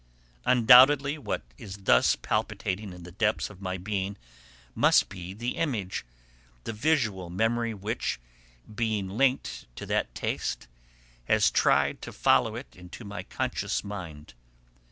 Undoubtedly what is thus palpitating in the depths of my being must be the image, the visual memory which, being linked to that taste, has tried to follow it into my conscious mind.